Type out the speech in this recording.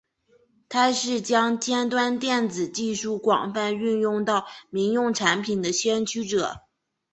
他是将尖端电子技术广泛运用到民用产品的先驱者。